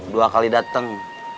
dua kali dateng